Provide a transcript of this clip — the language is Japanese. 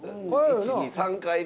１２３回目。